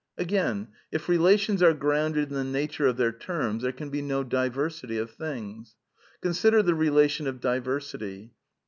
*)) Agaifl » if relations are grounded in the nature of their terms, there can be no diversity of things. Consider the relation of diversity.